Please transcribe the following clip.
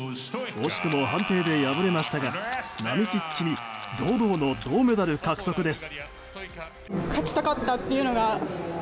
惜しくも判定で敗れましたが並木月海堂々の銅メダル獲得です。